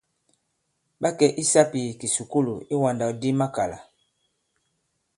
Ɓa kɛ̀ i sāpì ì kìsukulù iwàndàkdi makàlà.